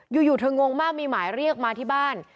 อยู่เธองงมากมีหมายเรียกมาที่บ้าน